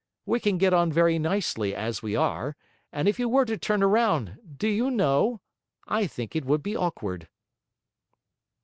We can get on very nicely as we are, and if you were to turn round, do you know? I think it would be awkward.'